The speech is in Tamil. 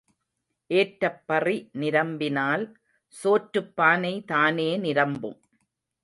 ஏற்றப் பறி நிரம்பினால் சோற்றுப் பானை தானே நிரம்பும்.